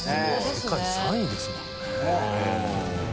世界３位ですもんね。